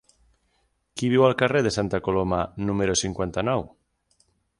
Qui viu al carrer de Santa Coloma número cinquanta-nou?